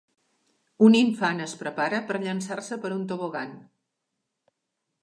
Un infant es prepara per llançar-se per un tobogan.